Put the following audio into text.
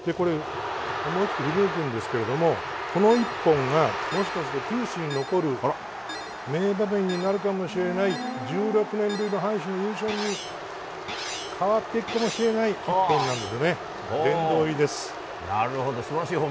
思い切って振り抜くんですがこの１本がもしかすると球史に残る名場面になるかもしれない１６年ぶりの阪神優勝に関わっていくかもしれない１本です。